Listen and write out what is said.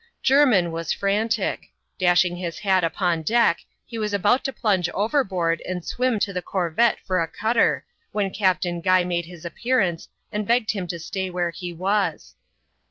Jermin was frantic Dashing his hat upon deck, he was ftbout to plunge overboard and swim to the corvette for a outter, when Captain Guy made his appearance and begged him to stay where he was.